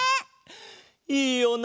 いいよな。